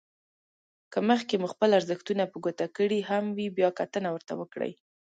که مخکې مو خپل ارزښتونه په ګوته کړي هم وي بيا کتنه ورته وکړئ.